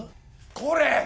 これ！